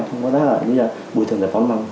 không có ra là bù thường giải phóng mặt bằng